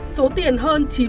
số tiền hơn chín mươi tỷ đồng